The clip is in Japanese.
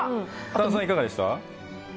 佐野さん、いかがでした？